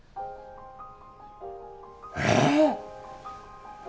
えっ？